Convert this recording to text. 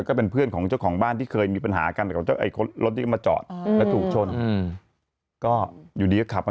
วันไหนก็ไม่รู้อ่ะใช่อ่ะไม่แน่ใจอ่ะแต่รู้อ่ะได้ยินอ่ะ